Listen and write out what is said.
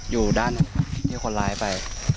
อยู่ด้านหนึ่งที่คนร้ายไป